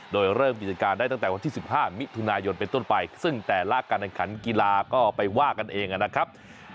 โดยเริ่มกิจการได้ตั้งแต่วันที่๑๕มิถุนายนเป็นต้นไปซึ่งแต่ละการแข่งขันกีฬาก็ไปว่ากันเองนะครับ